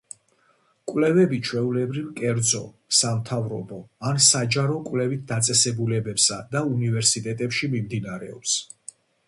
კვლევები ჩვეულებრივ კერძო, სამთავრობო ან საჯარო კვლევით დაწესებულებებსა და უნივერსიტეტებში მიმდინარეობს.